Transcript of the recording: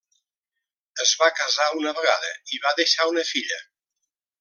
Es va casar una vegada i va deixar una filla.